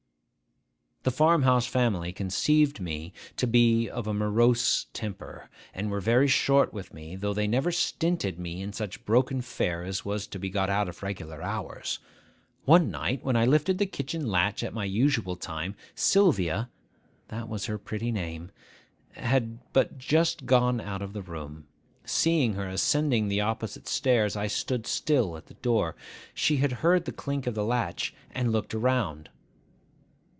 The farm house family conceived me to be of a morose temper, and were very short with me; though they never stinted me in such broken fare as was to be got out of regular hours. One night when I lifted the kitchen latch at my usual time, Sylvia (that was her pretty name) had but just gone out of the room. Seeing her ascending the opposite stairs, I stood still at the door. She had heard the clink of the latch, and looked round.